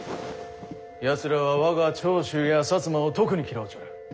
やつらは我が長州や摩を特に嫌うちょる。